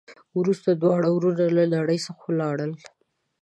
وروسته دواړه ورونه له نړۍ څخه ولاړل.